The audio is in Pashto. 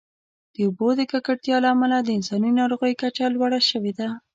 د اوبو د ککړتیا له امله د انساني ناروغیو کچه لوړه شوې ده.